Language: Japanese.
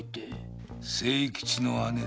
清吉の姉だ。